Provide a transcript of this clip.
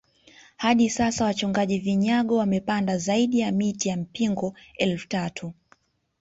Hadi sasa wachongaji vinyago wamepanda zaidi ya miti ya mpingo elfu tatu